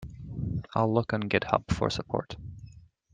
I'll look on Github for support.